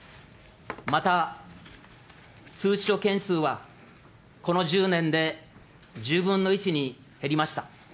また通知書件数はこの１０年で１０分の１に減りました。